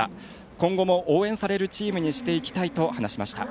今後も応援されるチームにしていきたいと話しました。